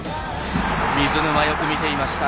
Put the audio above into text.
水沼、よく見ていました。